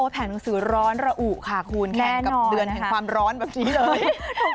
แผงหนังสือร้อนระอุค่ะคุณแข่งกับเดือนแห่งความร้อนแบบนี้เลย